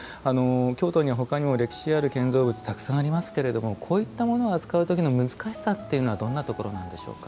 京都には他にも歴史ある建造物たくさんありますけれどもこういったものを扱う時の難しさっていうのはどんなところなんでしょうか。